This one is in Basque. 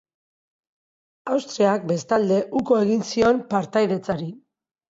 Austriak, bestalde, uko egin zion partaidetzari.